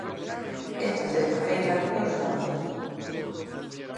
Esta sexta feira e o sábado.